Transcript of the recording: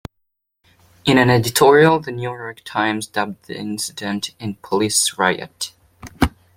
In an editorial The New York Times dubbed the incident a police riot.